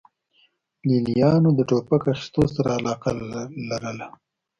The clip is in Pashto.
لې لیانو د ټوپک اخیستو سره علاقه لرله